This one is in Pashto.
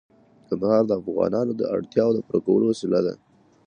کندهار د افغانانو د اړتیاوو د پوره کولو وسیله ده.